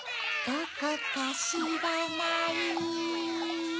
どこかしらない